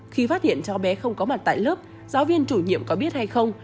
khi phát hiện cháu bé không có mặt tại lớp giáo viên chủ nhiệm có biết hay không